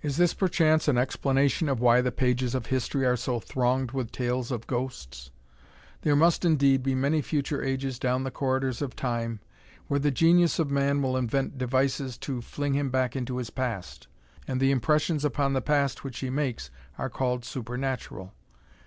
Is this perchance an explanation of why the pages of history are so thronged with tales of ghosts? There must, indeed, be many future ages down the corridors of Time where the genius of man will invent devices to fling him back into his past. And the impressions upon the past which he makes are called supernatural.